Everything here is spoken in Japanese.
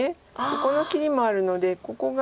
ここの切りもあるのでここが。